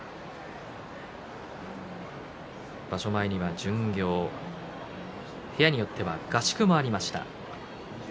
場所前には巡業部屋によっては合宿もありました。